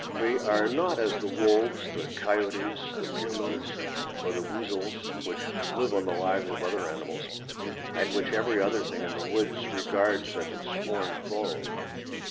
We are not as the wolves, the coyotes, the pumas, or the weasels, which live on the lives of other animals, and which every other thing in the woods regards as its sworn foe.